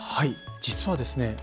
実はですね